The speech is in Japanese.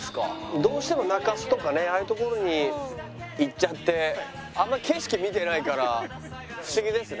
どうしても中洲とかねああいう所に行っちゃってあんまり景色見てないから不思議ですね。